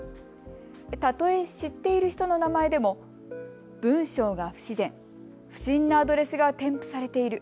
たとえ知っている人の名前でも文章が不自然、不審なアドレスが添付されている。